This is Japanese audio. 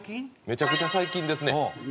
めちゃくちゃ最近ですね。